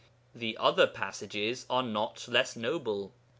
The other passages are not less noble.